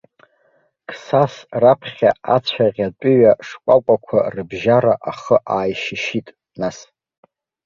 Қсас раԥхьа ацәаӷь атәыҩа шкәакәақәа рыбжьара ахы ааишьышьит, нас.